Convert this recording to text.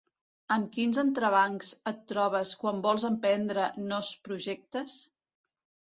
Amb quins entrebancs et trobes quan vols emprendre nos projectes?